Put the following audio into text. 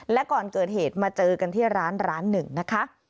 และก่อนเกิดเหตุมาเจอกันที่ร้านร้านหนึ่งนะคะ